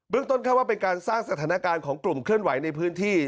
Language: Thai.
ต้นข้าวว่าเป็นการสร้างสถานการณ์ของกลุ่มเคลื่อนไหวในพื้นที่